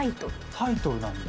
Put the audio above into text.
タイトルなんだ。